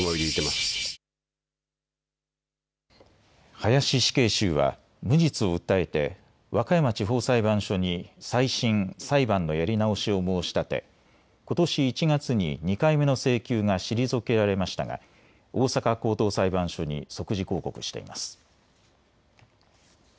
林死刑囚は無実を訴えて和歌山地方裁判所に再審・裁判のやり直しを申し立てことし１月に２回目の請求が退けられましたが大阪高等裁判所に即時抗告しています。